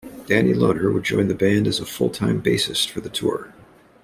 Danny Lohner would join the band as full-time bassist for the tour.